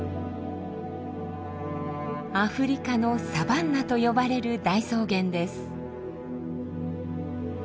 アフリカのサバンナと呼ばれる大草原です。